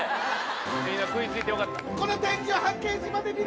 みんな食いついてよかった。